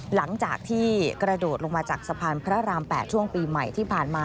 หลังจากที่กระโดดลงมาจากสะพานพระราม๘ช่วงปีใหม่ที่ผ่านมา